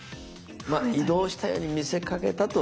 まあ移動したように見せかけたと。